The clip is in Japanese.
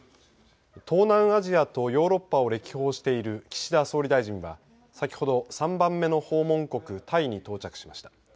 東南アジアとヨーロッパを歴訪している岸田総理大臣は先ほど３番目の訪問国タイに到着しました。